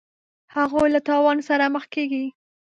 هغوی له تاوان سره مخ کیږي.